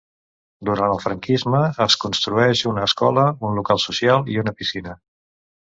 Durant el franquisme es construeix una escola, un local social i una piscina.